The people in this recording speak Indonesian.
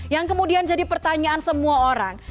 yang kemudian jadi pertanyaan semua orang